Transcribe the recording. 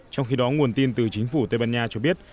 trong khi đó nguồn tin từ chính phủ tây ban nha cho biết